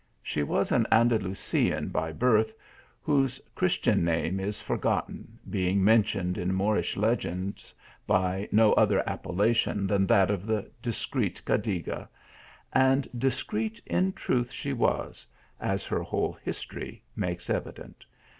She was an Anda lusian by birth, whose Christian name is forgotten, being mentioned in Moorish legends, by no other appellation than that of the discreet Cacliga and discreet, in truth she was, as her whole history makes evident.